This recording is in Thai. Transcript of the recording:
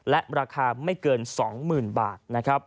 และราคาไม่เกิน๒หมื่นบาท